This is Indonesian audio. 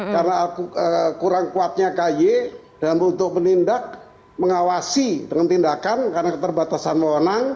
karena kurang kuatnya kay dan untuk menindak mengawasi dengan tindakan karena keterbatasan mewenang